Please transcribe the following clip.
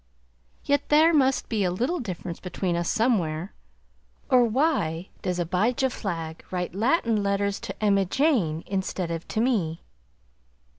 Yet there must be a little difference between us somewhere, or why does Abijah Flagg write Latin letters to Emma Jane, instead of to me?